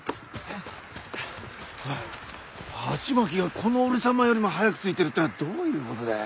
ハチマキがこの俺様よりも早く着いてるってのはどういうことだよ。